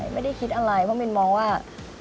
ไม่ได้คิดอะไรเพราะมินมองว่า